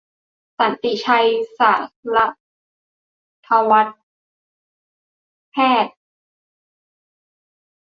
สันติชัย สารถวัลย์แพศย์